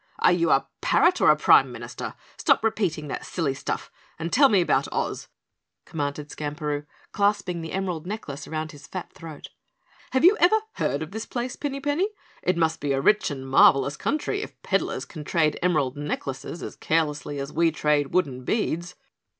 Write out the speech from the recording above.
"Are you a parrot or a Prime Minister? Stop repeating that silly stuff and tell me about Oz," commanded Skamperoo, clasping the emerald necklace around his fat throat. "Have you ever heard of this place, Pinny Penny? It must be a rich and marvelous country if peddlers can trade emerald necklaces as carelessly as we trade wooden beads."